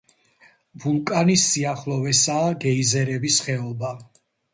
ვულკანის სიახლოვესაა გეიზერების ხეობა.